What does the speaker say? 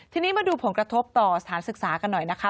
ทีนี้มาดูผลกระทบต่อสถานศึกษากันหน่อยนะคะ